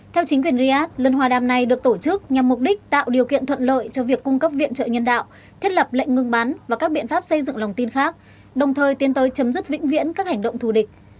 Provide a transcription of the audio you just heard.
theo chính quyền riyadh lần hòa đàm này được tổ chức nhằm mục đích tạo điều kiện thuận lợi cho việc cung cấp viện trợ nhân đạo thiết lập lệnh ngừng bắn và các biện pháp xây dựng lòng tin khác đồng thời tiến tới chấm dứt vĩnh viễn các hành động thù địch